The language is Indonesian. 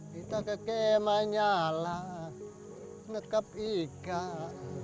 kita kekemanyalah menangkap ikan